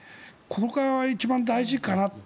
ここからが一番大事かなと。